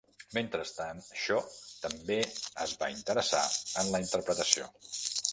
Mentrestant, Shaw també es va interessar en la interpretació.